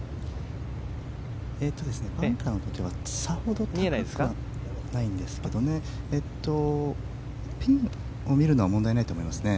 バンカーはさほど高くはないんですがピンを見るのは問題ないと思います。